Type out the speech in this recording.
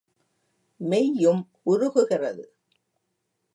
மெய் யும் உருகுகிறது.